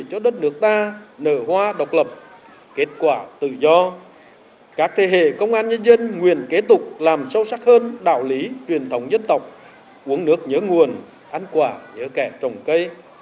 các thế hệ công an nhân dân nguyện kế tục làm sâu sắc hơn đạo lý truyền thống dân tộc uống nước nhớ nguồn ăn quà nhớ kẹt trồng cây